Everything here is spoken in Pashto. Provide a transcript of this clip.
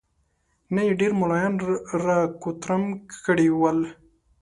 نن يې ډېر ملايان را کوترم کړي ول.